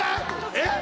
えっ！？